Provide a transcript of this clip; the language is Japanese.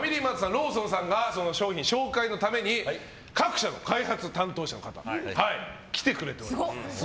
ローソンさんが商品紹介のために各社の開発担当者の方が来てくれております。